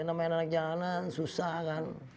namanya anak jalanan susah kan